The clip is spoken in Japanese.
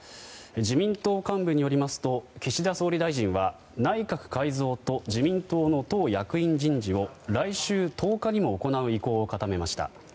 自民党幹部によりますと岸田総理大臣は内閣改造と自民党の党役員人事を来週１０日にも行う意向を固めました。